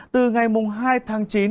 từ ngày hai tháng chín